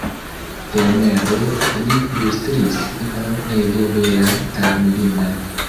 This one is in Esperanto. Tenere li flustris ion ege belan kaj mirindan.